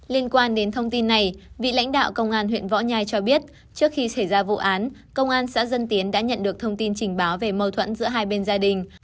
liên quan đến thông tin này vị lãnh đạo công an huyện võ nhai cho biết trước khi xảy ra vụ án công an xã dân tiến đã nhận được thông tin trình báo về mâu thuẫn giữa hai bên gia đình